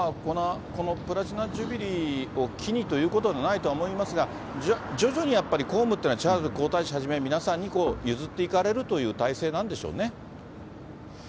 このプラチナ・ジュビリーを機にということはないと思いますが、徐々にやっぱり公務っていうのはチャールズ皇太子はじめ、皆さんに譲っていかれるという体制なんでしょうね。